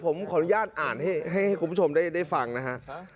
ผมขออนุญาตอ่านให้คุณผู้ชมได้ฟังนะฮะ